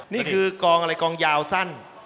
นี่คือกองอะไรกองยาวสั้น